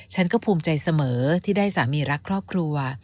ฉันก็ภูมิใจเสมอที่ได้สามีรักครอบครัว